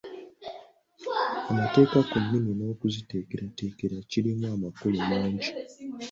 Amateeka ku nnimi n'okuziteekerateekera kirimu amakulu mangi.